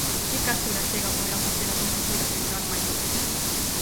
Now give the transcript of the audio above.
Que caste de achega poderá facer ás nosas vidas editar máis do mesmo?